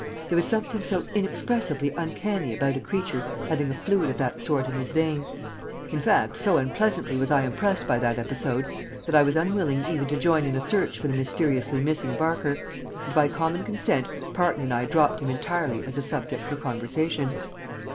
There was something so inexpressibly uncanny about a creature having a fluid of that sort in his veins. In fact, so unpleasantly was I impressed by that episode that I was unwilling even to join in a search for the mysteriously missing Barker, and by common consent Parton and I dropped him entirely as a subject for conversation.